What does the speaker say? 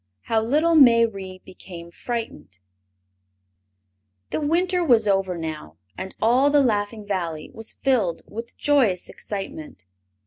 How Little Mayrie Became Frightened The winter was over now, and all the Laughing Valley was filled with joyous excitement.